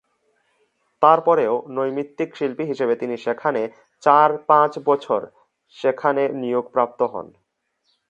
তারপরেও নৈমিত্তিক শিল্পী হিসাবে তিনি সেখানে চার পাঁচ বছর সেখানে নিয়োগ প্রাপ্ত হন।